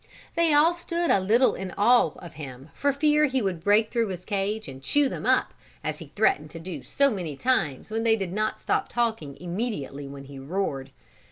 They all stood a little in awe of him for fear he would break through his cage and chew them up, as he threatened to do so many times when they did not stop talking immediately when he roared.